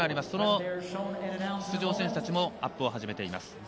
その出場選手たちもアップを始めています。